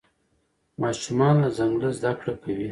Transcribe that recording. ماشومان له ځنګله زده کړه کوي.